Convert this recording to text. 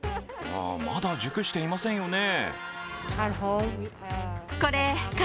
まだ熟していませんよね？